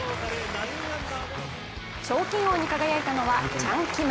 賞金王に輝いたのは、チャン・キム。